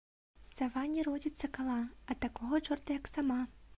Сава не родзiць сакала, а такога чорта, як сама